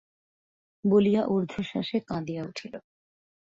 বলিয়া ঊর্ধ্বশ্বাসে কাঁদিয়া উঠিল।